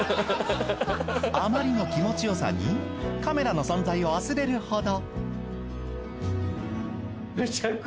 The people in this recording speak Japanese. あまりの気持ちよさにカメラの存在を忘れるほど。